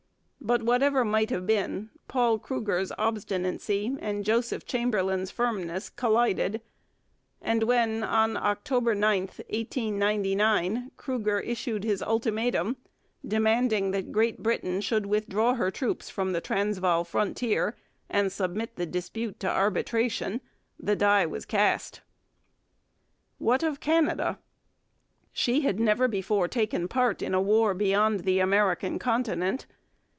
But, whatever might have been, Paul Kruger's obstinacy and Joseph Chamberlain's firmness collided; and when, on October 9, 1899, Kruger issued his ultimatum, demanding that Great Britain should withdraw her troops from the Transvaal frontier and submit the dispute to arbitration, the die was cast. What of Canada? She had never before taken part in war beyond the American continent.